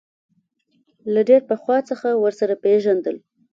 له ډېر پخوا څخه ورسره پېژندل.